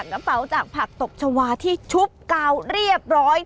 กระเป๋าจากผักตบชาวาที่ชุบกาวเรียบร้อย